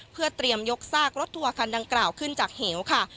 เพื่อเตรียมยกซากรถทัวร์คันดังกล่าวขึ้นจากเหวค่ะ